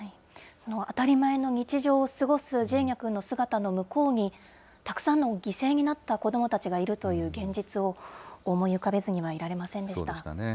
当たり前の日常を過ごすジェーニャ君の姿の向こうに、たくさんの犠牲になった子どもたちがいるという現実を思い浮かべそうでしたね。